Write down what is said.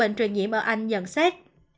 bệnh truyền nhiễm ở anh nhận xét